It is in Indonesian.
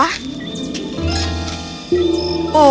aku tidak tahu dia kenapa